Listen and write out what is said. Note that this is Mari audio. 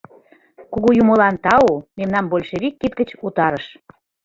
Кугу юмылан тау, мемнам большевик кид гыч утарыш.